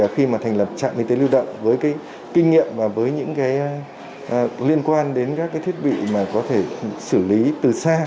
khi mà thành lập trạm y tế lưu động với kinh nghiệm và với những liên quan đến các thiết bị mà có thể xử lý từ xa